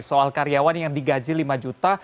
soal karyawan yang digaji lima juta